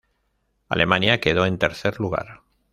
Alemania quedó en tercer lugar.